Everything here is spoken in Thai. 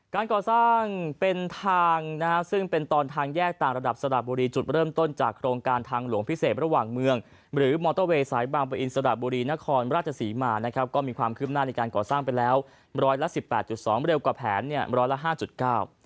การก่อสร้างเป็นทางนะฮะซึ่งเป็นตอนทางแยกต่างระดับสระบุรีจุดเริ่มต้นจากโครงการทางหลวงพิเศษระหว่างเมืองหรือมอเตอร์เวย์สายบางประอินสระบุรีนครราชศรีมานะครับก็มีความคืบหน้าในการก่อสร้างไปแล้วร้อยละสิบแปดจุดสองเร็วกว่าแผนเนี่ยร้อยละห้าจุดเก้า